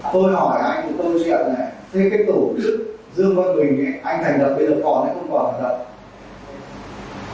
tổ chức dương văn mình anh thành đậm bây giờ còn hay không còn thành đậm